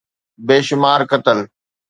بيشمار قتل.